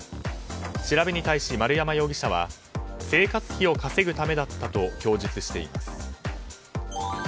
調べに対し、丸山容疑者は生活費を稼ぐためだったと供述しています。